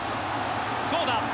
どうだ？